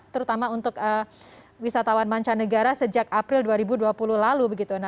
terutama untuk wisatawan mancanegara sejak april dua ribu dua puluh lalu